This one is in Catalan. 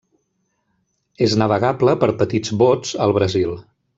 És navegable per petits bots al Brasil.